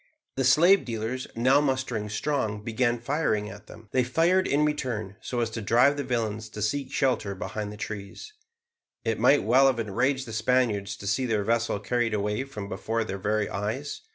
The slave dealers, now mustering strong, began firing at them. They fired in return, so as to drive the villains to seek shelter behind the trees. It might well have enraged the Spaniards to see their vessel carried away from before their very eyes.